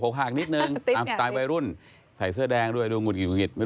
ก็ไม่ครับมันก็แปลกรถเมล์มาได้